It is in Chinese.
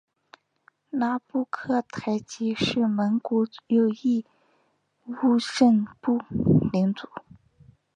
拉布克台吉是蒙古右翼兀慎部领主。